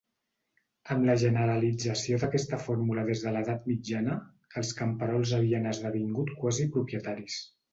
Amb la generalització d'aquesta fórmula des de l'edat mitjana, els camperols havien esdevingut quasi propietaris.